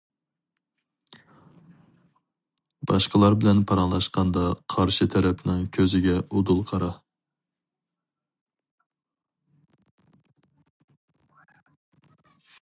باشقىلار بىلەن پاراڭلاشقاندا قارشى تەرەپنىڭ كۆزىگە ئۇدۇل قارا.